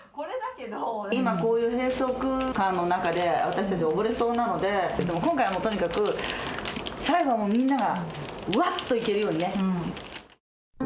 今こういう閉塞感の中で私達溺れそうなので今回とにかく最後はもうみんながワッといけるようにね